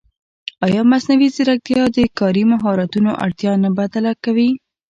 ایا مصنوعي ځیرکتیا د کاري مهارتونو اړتیا نه بدله کوي؟